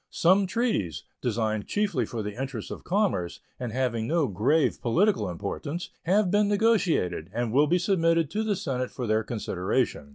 Some treaties, designed chiefly for the interests of commerce, and having no grave political importance, have been negotiated, and will be submitted to the Senate for their consideration.